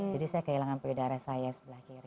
jadi saya kehilangan payudara saya yang sebelah kiri